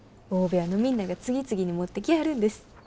大部屋のみんなが次々に持ってきはるんです。